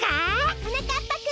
はなかっぱくん。